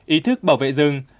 ý thức bảo vệ rừng